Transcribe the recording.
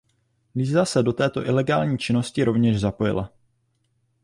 Lisa se do této ilegální činnosti rovněž zapojila.